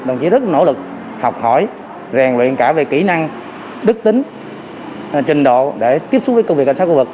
đồng chí rất nỗ lực học hỏi rèn luyện cả về kỹ năng đức tính trình độ để tiếp xúc với công việc cảnh sát khu vực